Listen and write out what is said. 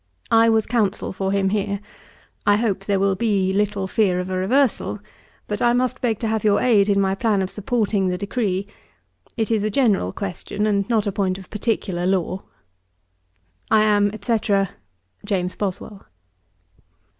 I was Counsel for him here. I hope there will be little fear of a reversal; but I must beg to have your aid in my plan of supporting the decree. It is a general question, and not a point of particular law. 'I am, &c., 'JAMES BOSWELL.'